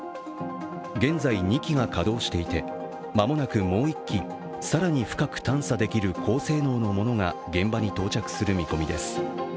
現在、２機が稼働していて間もなくもう１機更に深く探査できる高性能のものが現場に到着する見込みです。